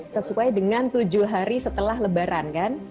sesuai dengan tujuh hari setelah lebaran kan